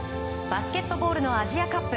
バスケットボールのアジアカップ。